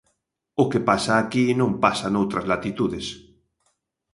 O que pasa aquí non pasa noutras latitudes.